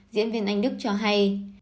diễn viên anh đức cho hay